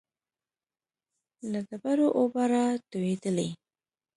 له ډبرو اوبه را تويېدلې.